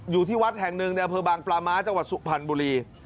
อยู่ที่วัดแห่งหนึ่งในอำเภอบางปลาม้าจังหวัดสุพรรณบุรี